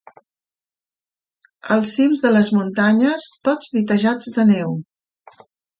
Els cims de les muntanyes tots ditejats de neu.